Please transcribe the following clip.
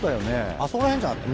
あそこら辺じゃなかった？